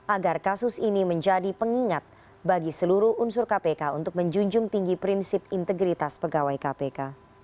agar kasus ini menjadi pengingat bagi seluruh unsur kpk untuk menjunjung tinggi prinsip integritas pegawai kpk